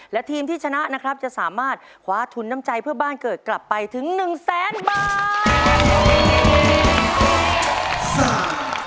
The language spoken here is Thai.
และทีมที่ชนะนะครับจะสามารถคว้าทุนน้ำใจเพื่อบ้านเกิดกลับไปถึง๑แสนบาท